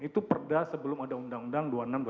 itu perda sebelum ada undang undang dua ribu enam